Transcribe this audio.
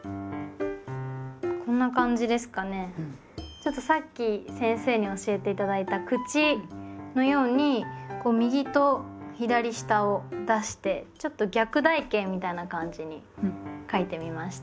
ちょっとさっき先生に教えて頂いた「口」のように右と左下を出してちょっと逆台形みたいな感じに書いてみました。